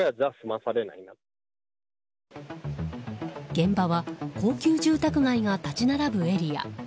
現場は高級住宅街が立ち並ぶエリア。